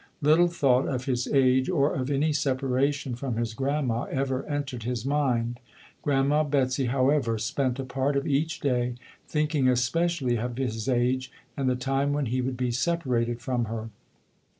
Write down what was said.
Little thought of his age or of any separation from his grandma ever entered his mind. Grandma Betsy, however, spent a part of each day thinking especially of his age and the time when he would be separated from her.